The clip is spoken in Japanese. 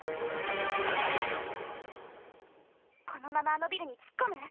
このままあのビルに突っ込む？